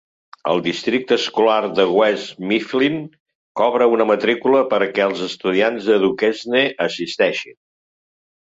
El districte escolar de West Mifflin cobra una matrícula perquè els estudiants de Duquesne assisteixin.